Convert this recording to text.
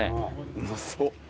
うまそう。